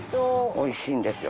美味しいんですよ。